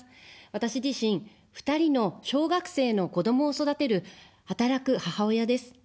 私自身、２人の小学生の子どもを育てる、働く母親です。